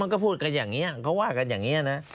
ก็พูดกันอย่างนี้เขาว่ากันอย่างนี้นะ